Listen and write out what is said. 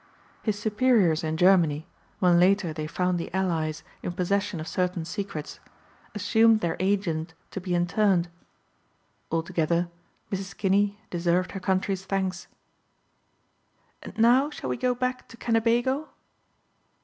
His superiors in Germany, when later they found the Allies in possession of certain secrets, assumed their agent to be interned. Altogether Mrs. Kinney deserved her country's thanks. "And now shall we go back to Kennebago?"